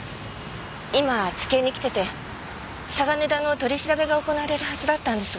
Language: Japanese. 今地検に来てて嵯峨根田の取り調べが行われるはずだったんですが。